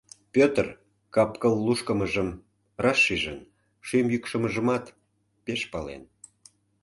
Пӧтыр кап-кыл лушкымыжым раш шижын, шӱм йӱкшымыжымат пеш пален.